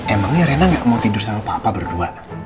emangnya rena gak mau tidur sama papa berdua